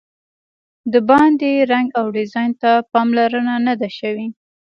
د باندې رنګ او ډیزاین ته پاملرنه نه ده شوې.